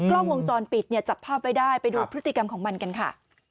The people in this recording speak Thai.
กล้องวงจรปิดเนี่ยจับภาพไว้ได้ไปดูพฤติกรรมของมันกันค่ะ